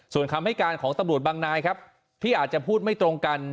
ส่วนคำให้การของตำรวจบางนายครับที่อาจจะพูดไม่ตรงกัน